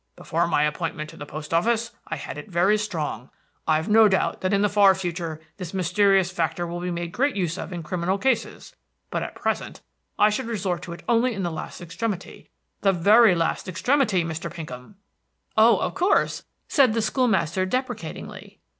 Before my appointment to the post office I had it very strong. I've no doubt that in the far future this mysterious factor will be made great use of in criminal cases; but at present I should resort to it only in the last extremity, the very last extremity, Mr. Pinkham!" "Oh, of course," said the school master deprecatingly.